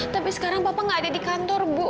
tapi sekarang bapak nggak ada di kantor bu